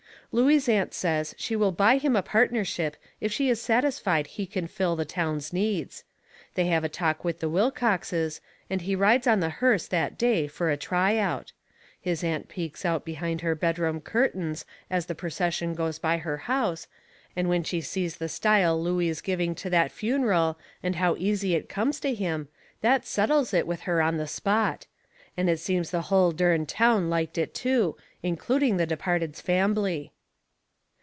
Looey's aunt says she will buy him a partnership if she is satisfied he can fill the town's needs. They have a talk with the Wilcoxes, and he rides on the hearse that day fur a try out. His aunt peeks out behind her bedroom curtains as the percession goes by her house, and when she sees the style Looey is giving to that funeral, and how easy it comes to him, that settles it with her on the spot. And it seems the hull dern town liked it, too, including the departed's fambly.